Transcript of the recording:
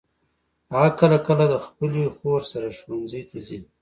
هغه کله کله د خپلي خور سره ښوونځي ته ځي.